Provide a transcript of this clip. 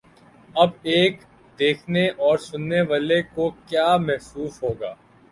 اب ایک دیکھنے اور سننے والے کو کیا محسوس ہو گا؟